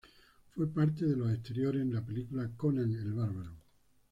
Fue parte de los exteriores en la película "Conan el Bárbaro".